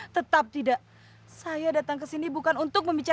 tetap tidak saya datang ke sini untuk menikah